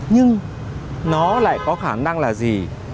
nhưng nó lại có khả năng là gì